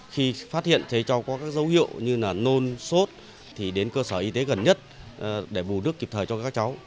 khi phát hiện thấy cháu có các dấu hiệu như là nôn sốt thì đến cơ sở y tế gần nhất để bù nước kịp thời cho các cháu